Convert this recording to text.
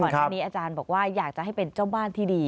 ท่านนี้อาจารย์บอกว่าอยากจะให้เป็นเจ้าบ้านที่ดี